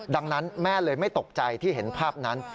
ดังนั้นแม่เลยไม่ตกใจที่เห็นภาพนั้น